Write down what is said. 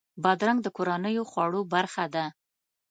بادرنګ د کورنیو خوړو برخه ده.